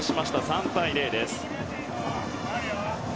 ３対０です。